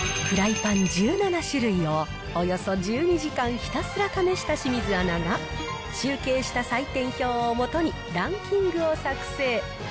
フライパン１７種類をおよそ１２時間ひたすら試した清水アナが、集計した採点表をもとに、ランキングを作成。